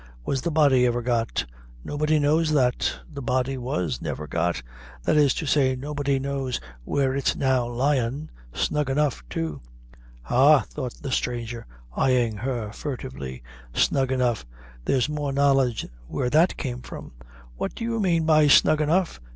was the body ever got?" "Nobody knows that the body was never got that is to say nobody knows where it's now lyin', snug enough too." "Ha!" thought the stranger, eying her furtively "snug enough! there's more knowledge where that came from. What do you mane by snug enough?"